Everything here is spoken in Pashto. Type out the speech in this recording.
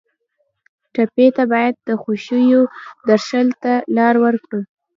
ټپي ته باید د خوښیو درشل ته لار ورکړو.